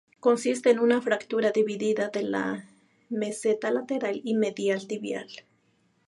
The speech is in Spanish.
Consiste en una fractura dividida de la meseta lateral y medial tibial.